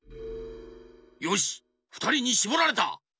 よしふたりにしぼられた！